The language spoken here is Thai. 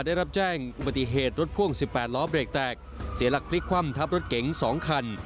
ได้รับแจ้งอุบัติเหตุรถพ่วง๑๘ล้อเบรกแตกเสียหลักพลิกคว่ำทับรถเก๋ง๒คัน